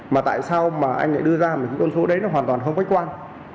mà tại sao mà anh lại đưa ra một cái con số đấy nó hoàn toàn không khách quan